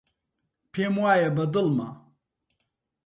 پێم وایە بەدڵمە.